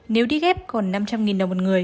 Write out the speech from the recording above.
nếu đi ghép còn năm trăm linh đồng một người